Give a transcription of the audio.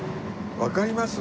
わかります。